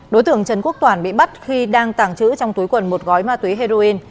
đối tượng trần quốc toàn bị bắt khi đang tàng trữ trong túi quần một gói ma túy heroin